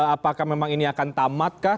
apakah memang ini akan tamatkah